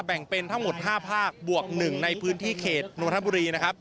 แบ่งเป็นทั้งหมด๕ภาคบวก๑ในพื้นที่เขตนวลธบุรีนะครับ